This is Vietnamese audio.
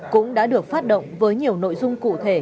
cũng đã được phát động với nhiều nội dung cụ thể